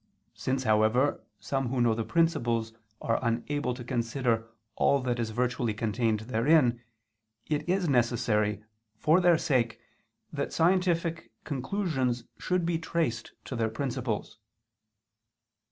Since, however, some who know the principles are unable to consider all that is virtually contained therein, it is necessary, for their sake, that scientific conclusions should be traced to their principles.